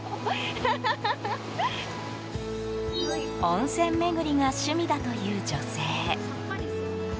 温泉巡りが趣味だという女性。